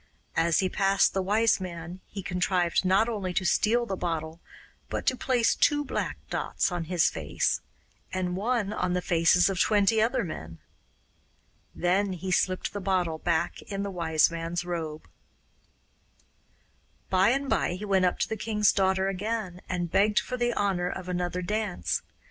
As he passed the Wise Man he contrived not only to steal the bottle but to place two black dots on his face, and one on the faces of twenty other men. Then he slipped the bottle back in the Wise Man's robe. By and by he went up to the king's daughter again, and begged for the honour of another dance.